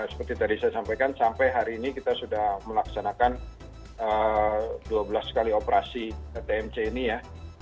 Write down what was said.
seperti tadi saya sampaikan sampai hari ini kita sudah melaksanakan dua belas kali operasi tmc ini ya